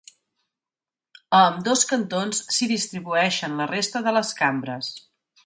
A ambdós cantons s'hi distribueixen la resta de les cambres.